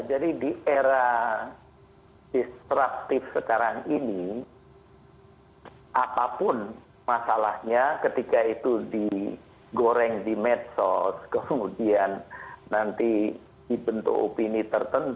di era distruktif sekarang ini apapun masalahnya ketika itu digoreng di medsos kemudian nanti dibentuk opini tertentu